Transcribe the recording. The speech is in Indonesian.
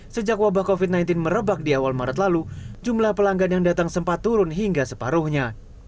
sejak wabah covid sembilan belas merebak di awal maret lalu jumlah pelanggan yang datang sempat turun hingga separuhnya